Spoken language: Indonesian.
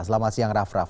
selamat siang raff raff